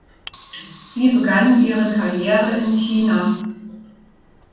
Sie begann ihre Karriere in China.